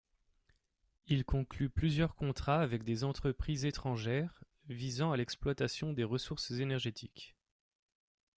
Il conclut plusieurs contrats avec des entreprises étrangères visant à l'exploitation des ressources énergétiques.